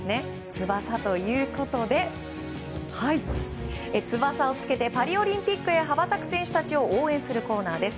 翼ということで翼をつけてパリオリンピックへ羽ばたく選手たちを応援するコーナーです。